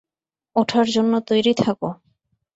ওঠার জন্য তৈরি থাকো।